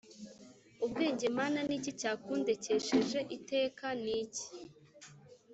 ubwenge Mana ni iki cyakudutesheje iteka Ni iki